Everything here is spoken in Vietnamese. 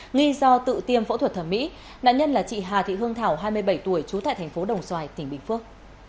nghi do tự tiêm phẫu thuật thẩm mỹ nạn nhân là chị hà thị hương thảo hai mươi bảy tuổi trú tại thành phố đồng xoài tỉnh bình phước